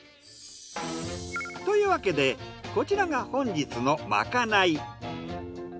というわけでこちらが本日の。